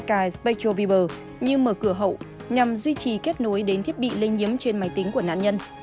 tên spectral viber như mở cửa hậu nhằm duy trì kết nối đến thiết bị lây nhiếm trên máy tính của nạn nhân